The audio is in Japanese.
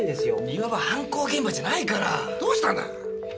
庭は犯行現場じゃないからどうしたんだ？